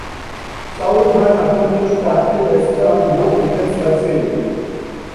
Sauerbrun attempted to tackle Hester on both returns, but failed.